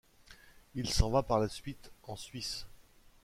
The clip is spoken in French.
Il s’en va par la suite en Suisse.